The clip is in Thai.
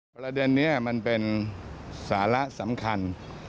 ประเด็นนี้มันเป็นสาระสำคัญ